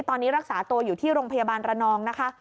ตอนนี้รักษาตัวอยู่ที่โรงพยาบาลระนองนะคะ